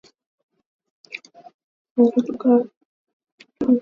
operesheni ruwenzori yenye lengo la kuwafurusha mbali waasi wa adf nalu